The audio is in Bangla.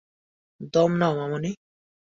দম নাও, মামনি!